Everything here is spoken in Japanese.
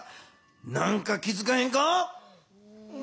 何か気づかへんか？